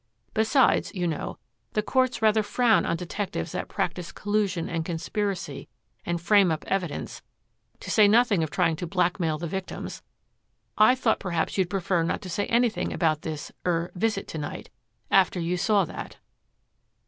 Besides, you know, the courts rather frown on detectives that practice collusion and conspiracy and frame up evidence, to say nothing of trying to blackmail the victims. I thought perhaps you'd prefer not to say anything about this er visit to night after you saw that."